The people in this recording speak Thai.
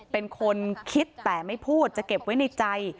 เป็นคนคิดแต่ไม่พูดจะเก็บไว้ในใจ